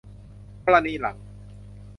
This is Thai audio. กรณีหลัง